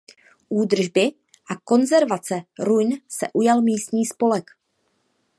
Údržby a konzervace ruin se ujal místní spolek.